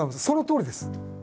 そのとおりです。